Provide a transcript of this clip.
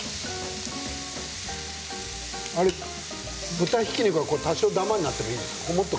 豚ひき肉は多少ダマになってもいいの？